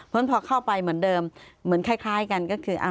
เพราะฉะนั้นพอเข้าไปเหมือนเดิมเหมือนคล้ายกันก็คือ